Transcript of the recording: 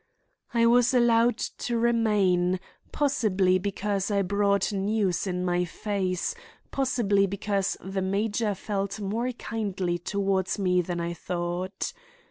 I was allowed to remain, possibly because I brought news in my face, possibly because the major felt more kindly toward me than I thought.